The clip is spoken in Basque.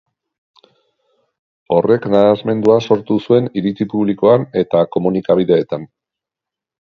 Horrek nahasmendua sortu zuen iritzi publikoan eta eta komunikabideetan.